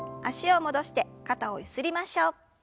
脚を戻して肩をゆすりましょう。